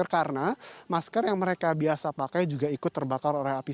karena masker yang mereka biasa pakai juga ikut terbakar oleh api